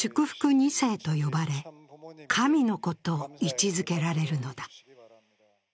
２世と呼ばれ神の子と位置づけられるのだ。